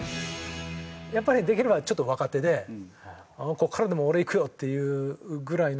やっぱりできればちょっと若手でここからでも俺いくよっていうぐらいの勢いのある。